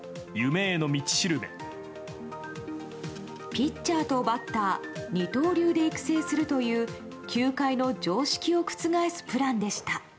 ピッチャーとバッター二刀流で育成するという球界の常識を覆すプランでした。